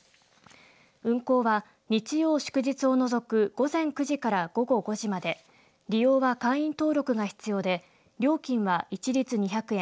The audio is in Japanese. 運行は日曜、祝日を除く午前９時から午後５時まで利用は会員登録が必要で料金は一律２００円